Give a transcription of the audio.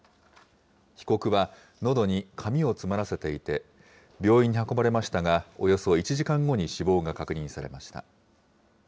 被告はのどに紙を詰まらせていて、病院に運ばれましたが、およそ１時間後に死亡が確認されました。